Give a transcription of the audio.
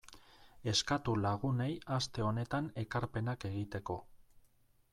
Eskatu lagunei aste honetan ekarpenak egiteko.